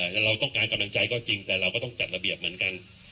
แต่เราต้องการกำลังใจก็จริงแต่เราก็ต้องจัดระเบียบเหมือนกัน